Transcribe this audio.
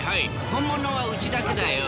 本物はうちだけだよ。